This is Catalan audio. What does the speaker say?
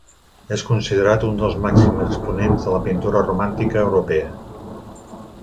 És considerat un dels màxims exponents de la pintura romàntica europea.